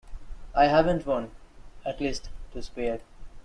I haven't one — at least to spare.